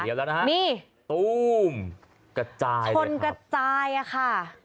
เดี๋ยวแล้วนะฮะนี่ตู้มกระจายชนกระจายอ่ะค่ะ